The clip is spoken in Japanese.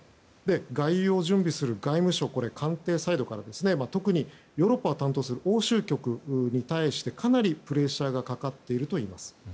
外遊を準備する外務省官邸サイドから特にヨーロッパを担当する欧州局に対してかなりプレッシャーがかかっているといいます。